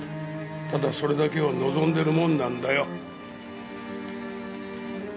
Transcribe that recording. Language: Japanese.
ただそれだけを望んでるもんなんだよ。